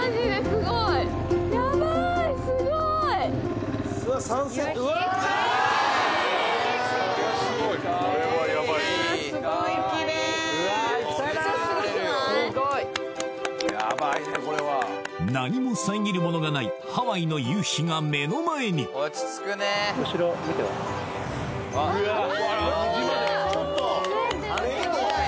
すごい何も遮るものがないハワイの夕日が目の前にすごい！